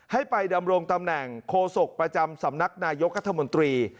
ให้ไปดำรงตำแหน่งโคศกประจำสำนักนายกรัฐมนตรี